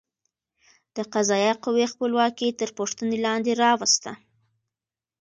د قضایه قوې خپلواکي تر پوښتنې لاندې راوسته.